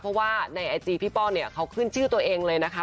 เพราะว่าในไอจีพี่ป้องเนี่ยเขาขึ้นชื่อตัวเองเลยนะคะ